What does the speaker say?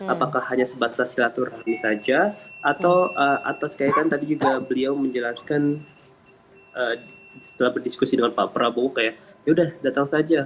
apakah hanya sebatas silaturahmi saja atau atas kayak kan tadi juga beliau menjelaskan setelah berdiskusi dengan pak prabowo kayak yaudah datang saja